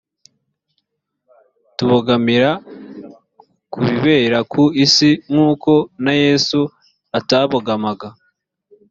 tubogamira mu bibera ku isi nk uko na yesu atabogamaga